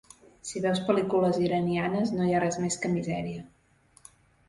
Si veus pel·lícules iranianes no hi ha res més que misèria.